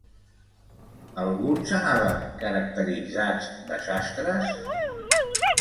Alguns anaven caracteritzats de sastres?